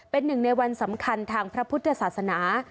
เป็นหนึ่งในวันสำคัญทางพระพุทธศาสนา